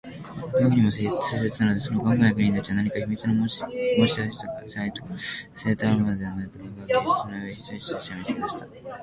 農夫にも痛切なので、その頑固な役人たちは何か秘密の申し合せとか不正とかでもあるのではないかとかぎ廻り、その上、一人の指導者を見つけ出した